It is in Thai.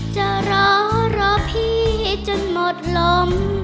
จะรอรอพี่จนหมดลม